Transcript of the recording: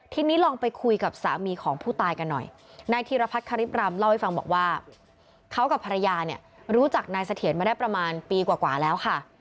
ทีนี้ลองไปคุยกับสามีของผู้ตายกันหน่อยนายธีรพัฒน์คริปรำเล่าให้ฟังบอกว่าเขากับภรรยาเนี่ยรู้จักนายเสถียรมาได้ประมาณปีกว่าแล้วค่ะ